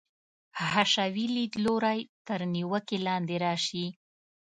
حشوي لیدلوری تر نیوکې لاندې راشي.